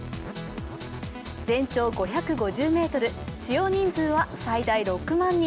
全長５５ｍ、収容人数は最大６万人。